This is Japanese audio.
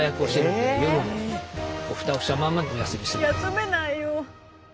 休めないよ。